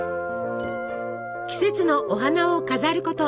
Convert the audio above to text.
季節のお花を飾ること。